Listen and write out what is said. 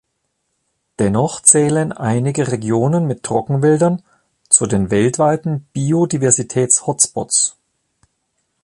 Dennoch zählen einige Regionen mit Trockenwäldern zu den weltweiten Biodiversitäts-Hotspots.